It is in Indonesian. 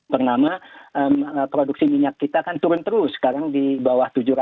pernama produksi minyak kita kan turun terus sekarang di bawah tujuh ratus ribu barang per hari